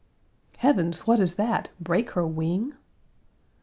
"Heavens, what is that break her wing?"